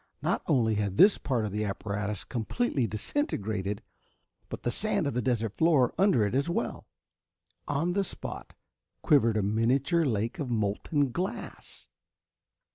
Not only had this part of the apparatus completely disintegrated, but the sand of the desert floor under it as well. On the spot quivered a miniature lake of molten glass!